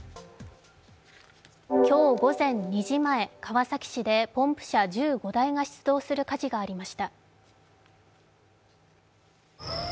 今日午前２時前、川崎市でポンプ車１５台が出動する火事がありました。